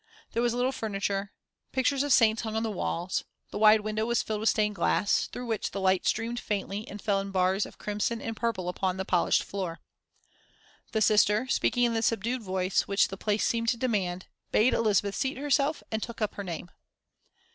There was little furniture, pictures of saints hung on the walls, the wide window was filled with stained glass, through which the light streamed faintly and fell in bars of crimson and purple upon the polished floor. The sister, speaking in the subdued voice which the place seemed to demand, bade Elizabeth seat herself and took up her name.